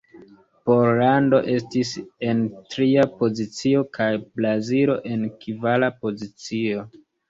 Pollando estis en tria pozicio, kaj Brazilo en kvara pozicio.